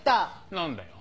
何だよ。